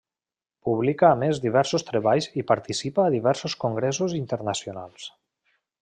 Publica a més diversos treballs i participa a diversos congressos internacionals.